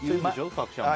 角ちゃんも。